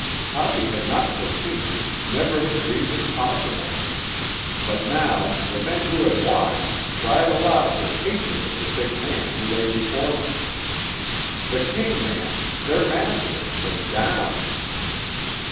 Toppy had not foreseen it, never had dreamed it possible. But now the men who had watched cried aloud their hatred of the big man who lay before them. The king man, their master, was down!